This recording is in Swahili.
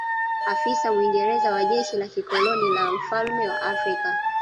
Afisa Mwingereza wa jeshi la kikoloni la mfalme wa Afrika